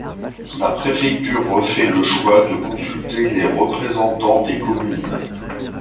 La préfecture refait le choix de consulter les représentants des communes.